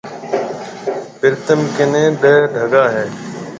پرتم ڪني ڏيه ڊگا هيَ۔